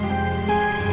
ya udah aku mau pulang